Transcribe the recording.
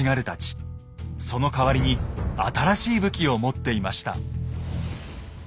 そのかわりに新しい武器を持っていました。